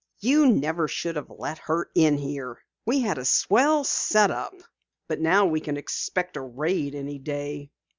"You never should have let her in here. We had a swell set up, but now we can expect a raid any day."